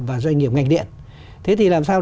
và doanh nghiệp ngành điện thế thì làm sao